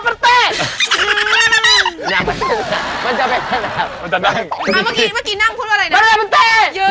เมื่อกี้นั่งพูดอะไร